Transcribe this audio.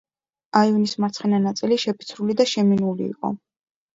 აივნის მარცხენა ნაწილი შეფიცრული და შემინული იყო.